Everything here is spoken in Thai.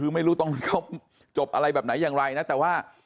คือไม่รู้ตรงนั้นเขาจบอะไรแบบไหนอย่างไรนะแต่ว่า